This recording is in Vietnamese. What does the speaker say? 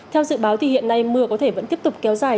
theo dự báo thì hiện nay mưa có thể vẫn tiếp tục kéo dài